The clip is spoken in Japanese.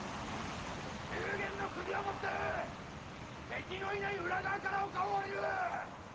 宮元の首を持って敵のいない裏側から丘を下りる！